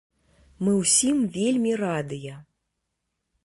Мы ўсім вельмі радыя.